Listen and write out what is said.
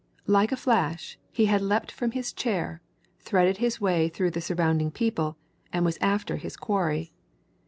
Like a flash, he had leapt from his chair, threaded his way through the surrounding people, and was after his quarry.